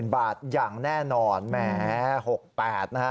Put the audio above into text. ๒๐๐๐๐บาทอย่างแน่นอนแหม๖๘นะคะ